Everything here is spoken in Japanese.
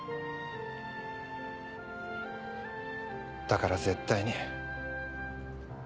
だから絶対に。